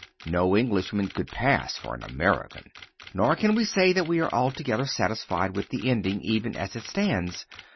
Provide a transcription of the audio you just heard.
No Englishman could pass for an American. Nor can we say that we are altogether satisfied with the ending even as it stands.